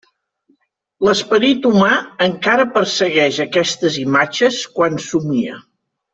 L'esperit humà encara persegueix aquestes imatges quan somia.